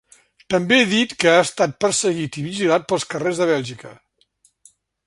També dit que ha estat perseguit i vigilat pels carrers de Bèlgica.